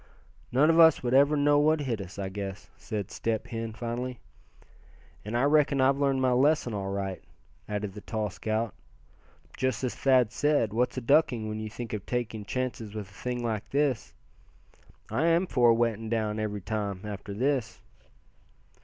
"None of us would ever know what hit us, I guess," said Step Hen, finally. "And I reckon I've learned my lesson all right," added the tall scout. "Just as Thad said, what's a ducking, when you think of taking chances with a thing like this? I am for a wetting down, every time, after this."